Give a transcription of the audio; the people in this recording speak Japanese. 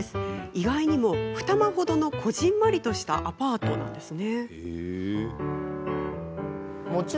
意外にも二間ほどのこぢんまりとしたアパートです。